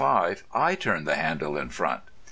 I turn the handle in front.